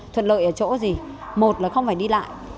thuận lợi ở chỗ gì một là không phải đi lại